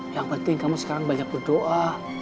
yang penting kamu sekarang banyak berdoa